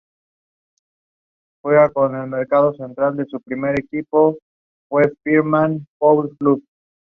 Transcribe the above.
Producida y protagonizada por Alain Delon en el papel principal.